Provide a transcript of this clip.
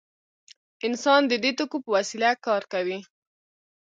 انسان د دې توکو په وسیله کار کوي.